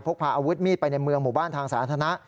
กพาอาวุธมีดไปในเมืองหมู่บ้านทางสาธารณะ